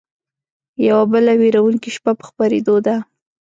يوه بله وېرونکې شپه په خپرېدو ده